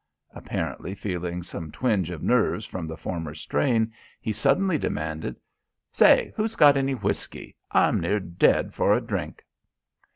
Apparently feeling some twinge of nerves from the former strain, he suddenly demanded: "Say, who's got any whisky? I'm near dead for a drink."